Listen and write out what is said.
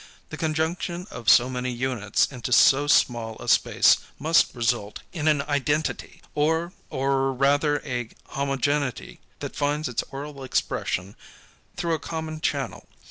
The conjunction of so many units into so small a space must result in an identity or, or rather a homogeneity that finds its oral expression through a common channel.